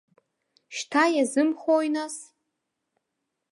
Шьҭа иазымхои, нас?